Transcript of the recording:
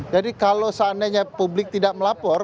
jadi kalau seandainya publik tidak melapor